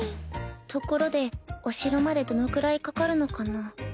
ところでお城までどのくらいかかるのかな？